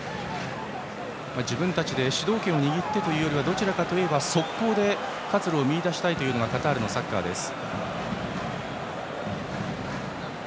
自分たちで主導権を握ってというよりは、どちらかといえば速攻で活路を見いだしたいのがカタールのサッカーです。